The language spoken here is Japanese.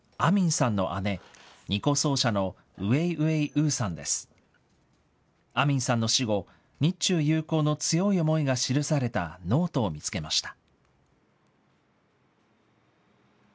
アミンさんの死後、日中友好の強い思いが記されたノートを見つけました。